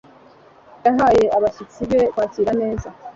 Yahaye abashyitsi be kwakira neza.